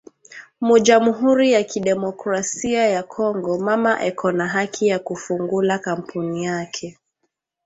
Mu jamuri ya ki democracia ya congo mama eko na haki ya ku fungula kampuni yake